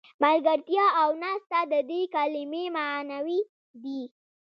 ملګرتیا او ناسته د دې کلمې معناوې دي.